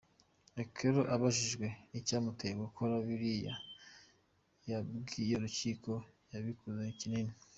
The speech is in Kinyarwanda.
Okello abajijwe icyamuteye gukora biriya yabwiye urukiko yabikoze yikinira.